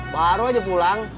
baru aja pulang